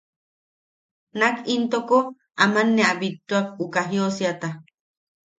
Nak intoko aman ne a bittuak uka jiosiata.